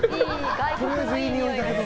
いいにおいだけど。